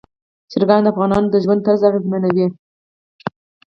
چرګان د افغانانو د ژوند طرز اغېزمنوي.